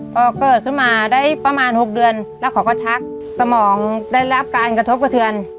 พอเกิดขึ้นมาได้ประมาณ๖เดือนแล้วเขาก็ชักสมองได้รับการกระทบกระเทือน